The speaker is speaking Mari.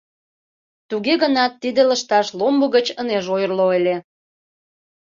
Туге гынат, тиде лышташ ломбо гыч ынеж ойырло ыле.